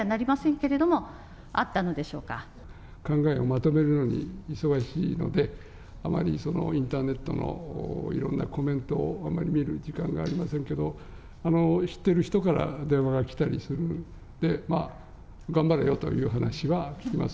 けれ考えをまとめるのに忙しいので、あまりそのインターネットのいろんなコメントをあまり見る時間がありませんけど、知っている人から電話が来たりするんで、頑張れよという話は来てます。